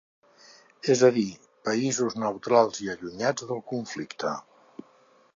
És a dir, països neutrals i allunyats del conflicte.